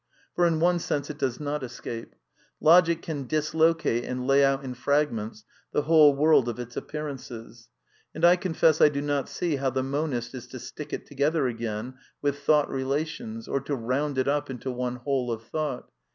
For, in one sense, it does not escape. Logic can dislocate and lay out in fragments the whole world of its appearances ; and I confess I do not see how the monist is to stick it together again with thought relations, or to round it up into one whole of Thought.